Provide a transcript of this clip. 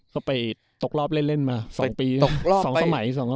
ก็ไปตกรอบเล่นมา๒ปี๒สมัย